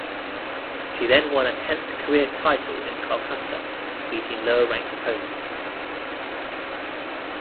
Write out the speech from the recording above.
She then won a tenth career title in Kolkata beating lower-ranked opponents.